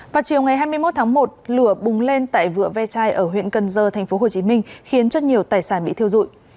vào chiều ngày hai mươi một tháng một lửa bùng lên tại vựa ve chai ở huyện cần dơ tp hcm khiến cho nhiều tài sản bị thiêu dụi